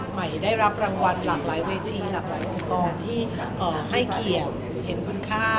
ใหม่ได้รับรางวัลหลากหลายเวทีหลากหลายองค์กรที่ให้เกียรติเห็นคุณค่า